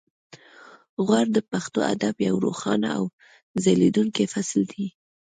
غور د پښتو ادب یو روښانه او ځلیدونکی فصل دی